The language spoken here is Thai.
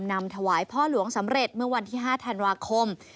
นำถวายพ่อหลวงสำเร็จเมื่อวันที่๕ธันวาคม